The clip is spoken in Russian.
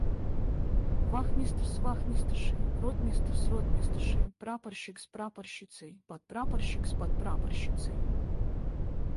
Вахмистр с вахмистршей, ротмистр с ротмистршей, прапорщик с прапорщицей, подпрапорщик с подпрапорщицей.